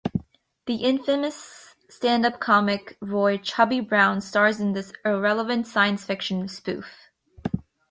The infamous stand-up comic Roy "Chubby" Brown stars in this irreverent, science fiction spoof.